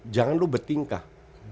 jangan lo bertingkah